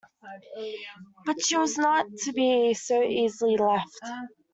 But she was not to be so easily left.